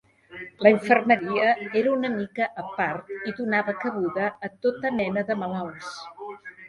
La infermeria era una mica a part i donava cabuda a tota mena de malalts.